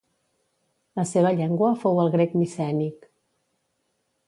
La seva llengua fou el grec micènic.